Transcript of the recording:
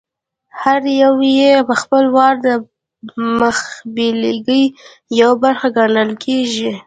هر یو یې په خپل وار د مخبېلګې یوه برخه ګڼل کېږي.